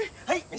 はい。